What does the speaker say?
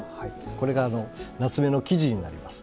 これが棗の木地になります。